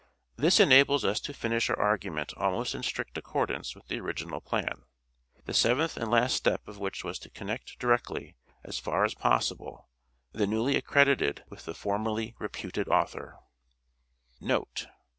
This enables us to finish our argument almost in strict accordance with the original plan, the seventh and last step of which was to connect directly as far as possible the newly accredited with the formerly reputed author Note.